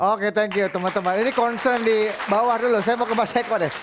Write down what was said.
oke thank you teman teman ini concern di bawah dulu saya mau ke mas eko deh